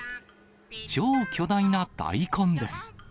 超巨大な大根です。